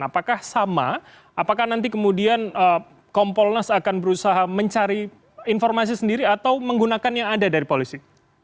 apakah sama apakah nanti kemudian kompolnas akan berusaha mencari informasi sendiri atau menggunakan yang ada dari polisi